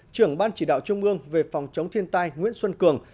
trưởng ban chỉ đạo trung ương về phòng chống thiên tai nguyễn xuân cường